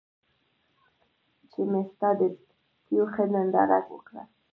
چې مې ستا د تېو ښه ننداره وکــړه